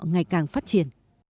ngày càng phát triển